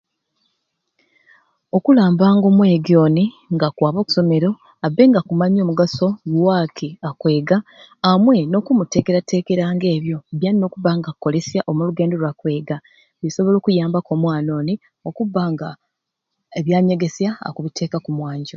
Okulamba nga omwegi oni nga akwaba oku somero, abbe nga akumanya omugaso lwaki akwega amwe n'okumuteekerateekera ebyo byalina okubba nga akkolesya omu lugendo lwa kwega busobola okuyambaku omwana oni okubba nga bebyanyegesya okubiteeja okumwanjo.